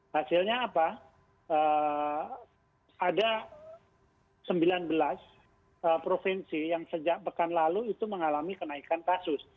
hasilnya apa ada sembilan belas provinsi yang sejak pekan lalu itu mengalami kenaikan kasus